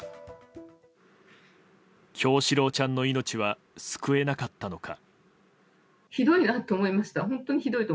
叶志郎ちゃんの命は救えなかったのか？